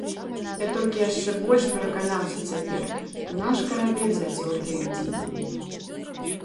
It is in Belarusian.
Я толькі яшчэ больш пераканаўся цяпер, што наш карабель зацёрты ільдзінамі.